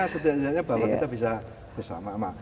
setidaknya bahwa kita bisa bersama